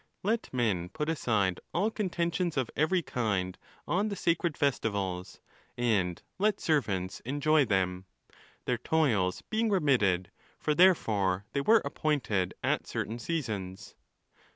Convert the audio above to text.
Let men put aside all contentions of every kind on the sacred festivals, and let servants enjoy them, their toils being remitted, for therefore they were appointed at certain seasons.